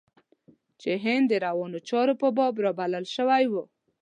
چې د هند د روانو چارو په باب رابلل شوی و.